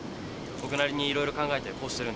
僕なりにいろいろ考えてこうしてるんです。